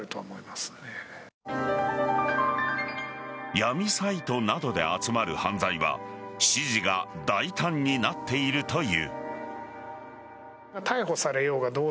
闇サイトなどで集まる犯罪は指示が大胆になっているという。